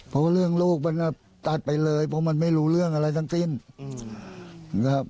เพราะว่าเรื่องลูกมันตัดไปเลยเพราะมันไม่รู้เรื่องอะไรทั้งสิ้นนะครับ